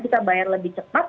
kita bayar lebih cepat